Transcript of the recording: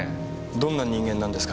どんな人間なんですか？